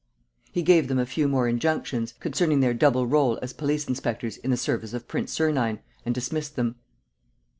He gave them a few more injunctions, concerning their double rôle as police inspectors in the service of Prince Sernine, and dismissed them.